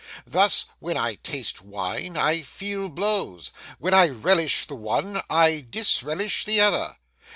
Thus when I taste wine, I feel blows; when I relish the one, I disrelish the other.